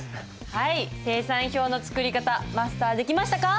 精算表の作り方マスターできましたか？